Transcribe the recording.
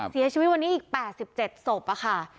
เสียชีวิตวันนี้อีก๘๗ศพค่ะ